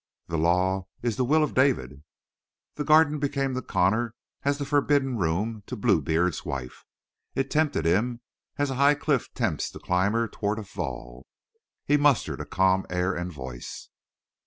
"The law is the will of David." The Garden became to Connor as the forbidden room to Bluebeard's wife; it tempted him as a high cliff tempts the climber toward a fall. He mustered a calm air and voice.